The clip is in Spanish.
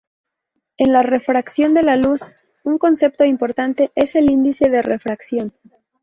En la refracción de la luz, un concepto importante es el índice de refracción.